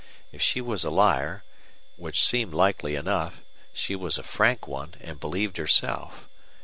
If she was a liar, which seemed likely enough, she was a frank one, and believed herself.